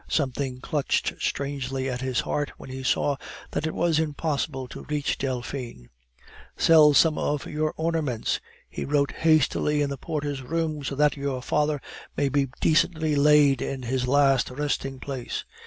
Something clutched strangely at his heart when he saw that it was impossible to reach Delphine. "Sell some of your ornaments," he wrote hastily in the porter's room, "so that your father may be decently laid in his last resting place."